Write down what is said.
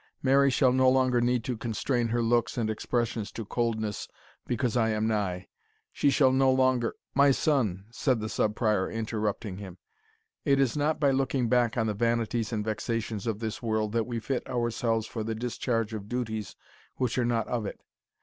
Mary shall no longer need to constrain her looks and expressions to coldness because I am nigh. She shall no longer " "My son," said the Sub Prior, interrupting him, "it is not by looking back on the vanities and vexations of this world, that we fit ourselves for the discharge of duties which are not of it.